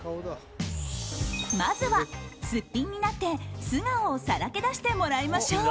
まずは、すっぴんになって素顔をさらけ出してもらいましょう。